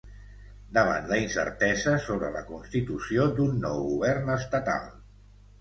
davant la incertesa sobre la constitució d'un nou govern estatal